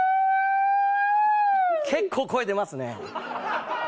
結構声出ますね。